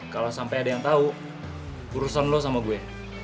kalau sampai ada yang tahu urusan lo sama gue